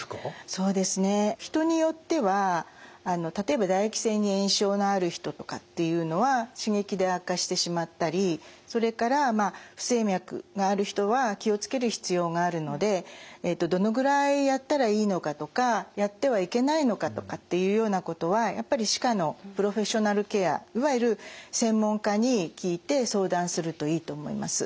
そうですね人によっては例えば唾液腺に炎症のある人とかっていうのは刺激で悪化してしまったりそれから不整脈がある人は気を付ける必要があるのでどのぐらいやったらいいのかとかやってはいけないのかとかっていうようなことはやっぱり歯科のプロフェッショナルケアいわゆる専門家に聞いて相談するといいと思います。